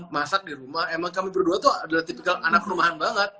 masak di rumah emang kami berdua tuh adalah tipikal anak rumahan banget